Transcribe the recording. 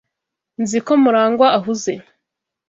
Nzi ko MuragwA ahuze.